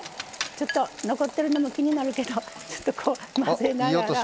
ちょっと残ってるのも気になるけど混ぜながら。